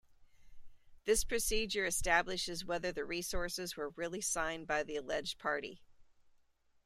This procedure establishes whether the resources were really signed by the alleged party.